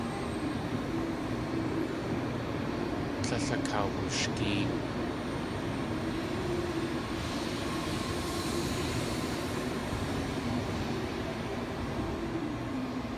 Tlél akawushgéen.